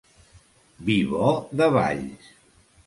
Vi bo de Valls!